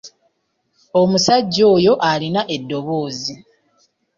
Omusajja oyo alina eddoboozi.